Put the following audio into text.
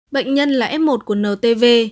bệnh nhân là f một của ntv